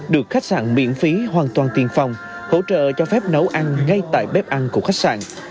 được khách sạn miễn phí hoàn toàn tiền phòng hỗ trợ cho phép nấu ăn ngay tại bếp ăn của khách sạn